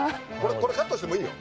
これカットしてもいいよ。